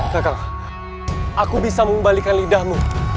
kakak aku bisa mengembalikan lidahmu